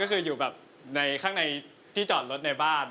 คืออยู่เหมือนในนี่ข้างในที่จอดรถในบ้าน